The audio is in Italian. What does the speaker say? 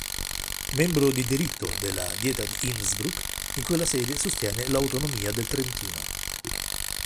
Membro di diritto della Dieta di Innsbruck, in quella sede sostiene l'autonomia del Trentino.